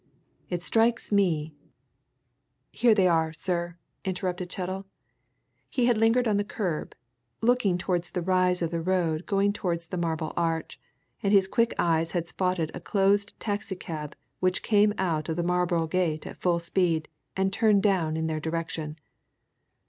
It strikes me " "Here they are, sir!" interrupted Chettle. He had lingered on the kerb, looking towards the rise of the road going towards the Marble Arch, and his quick eyes had spotted a closed taxi cab which came out of the Marlborough Gate at full speed and turned down in their direction.